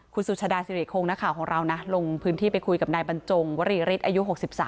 คุณสุชาดาสิริคงนักข่าวของเรานะลงพื้นที่ไปคุยกับนายบรรจงวรีฤทธิ์อายุ๖๓